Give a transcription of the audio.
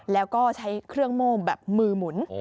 แล้วก็ใช้เครื่องโม่แบบมือหมุน